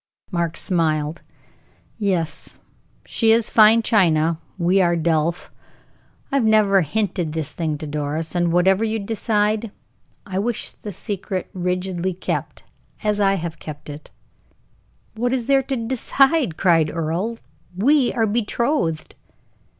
Mark smiled. "Yes, she is fine china, we are delf. I have never hinted this thing to Doris, and whatever you decide, I wish the secret rigidly kept, as I have kept it." "What is there to decide!" cried Earle. "We are betrothed."